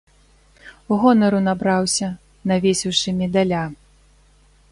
Гонару набраўся, навесіўшы медаля.